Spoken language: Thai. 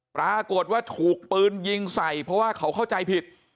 ปรากฏว่าถูกปืนยิงใส่เพราะว่าเขาเข้าใจผิด